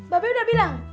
babe udah bilang